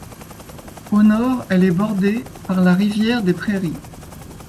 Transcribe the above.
Au nord, elle est bordée par la rivière des Prairies.